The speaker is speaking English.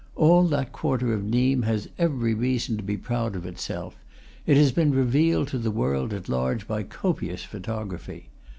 All that quarter of Nimes has every reason to be proud of itself; it has been revealed to the world at large by copious photography.